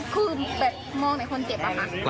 คือแบบมองในคนเจ็บอะค่ะ